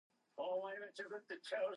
Bate was born in Mankato, Minnesota.